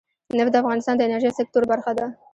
نفت د افغانستان د انرژۍ سکتور برخه ده.